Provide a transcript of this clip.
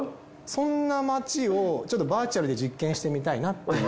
そんな街をちょっとバーチャルで実験してみたいなっていう。